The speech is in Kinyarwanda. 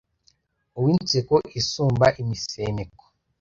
Uw’inseko isumba imisemeko